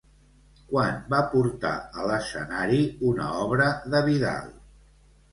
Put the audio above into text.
Quan va portar a l'escenari una obra de Vidal?